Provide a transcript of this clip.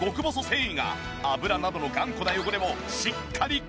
繊維が油などの頑固な汚れもしっかり絡め取る！